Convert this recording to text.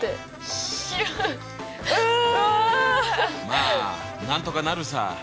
まあなんとかなるさ。